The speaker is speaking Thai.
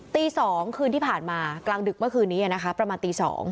ตี๒คืนที่ผ่านมากลางดึกเมื่อคืนนี้นะคะประมาณตี๒